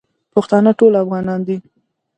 پښتانه ټول افغانان دی.